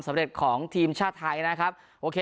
สำเร็จของทีมชาวไทน์นะครับโอเค